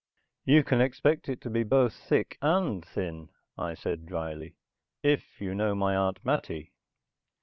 "You can expect it to be both thick and thin," I said drily. "If you know my Aunt Mattie."